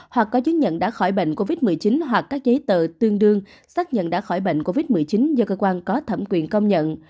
hoặc có chứng nhận đã khỏi bệnh covid một mươi chín hoặc các giấy tờ tương đương xác nhận đã khỏi bệnh covid một mươi chín do cơ quan có thẩm quyền công nhận